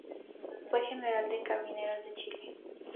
Fue General de Carabineros de Chile.